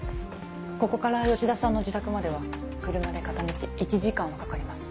ここから吉田さんの自宅までは車で片道１時間はかかります。